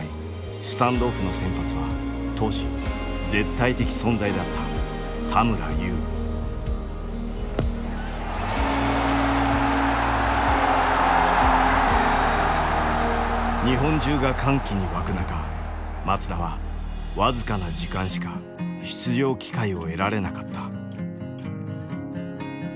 スタンドオフの先発は当時絶対的存在だった日本中が歓喜に沸く中松田はわずかな時間しか出場機会を得られなかった。